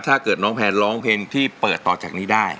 ถ้าเกิดน้องแพนร้องเพลงที่เปิดต่อจากนี้ได้